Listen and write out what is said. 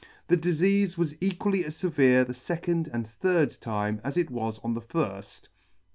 The difeafe was equally as fevere the fecond and third time as it was on the firft *.